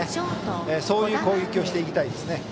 そういう攻撃をしていきたいですね。